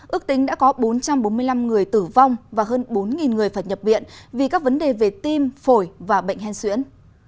ước tính đã có bốn trăm bốn mươi năm người tử vong và hơn bốn người phải nhập viện vì các vấn đề về tim phổi và bệnh hen xuyễn